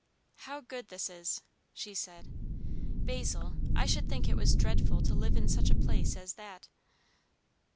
"How good this is!" she said. "Basil, I should think it was dreadful to live in such a place as that."